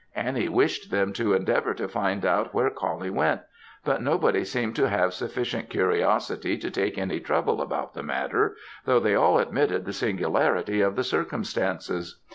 Annie wished them to endeavour to find out where Coullie went; but nobody seemed to have sufficient curiosity to take any trouble about the matter, though they all admitted the singularity of the circumstances.